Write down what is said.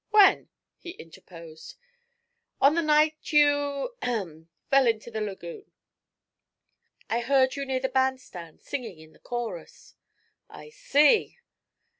'When?' he interposed. 'On the night you ahem fell into the lagoon. I heard you near the band stand singing in the chorus.' 'I see!'